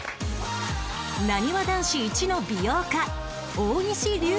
なにわ男子イチの美容家大西流星が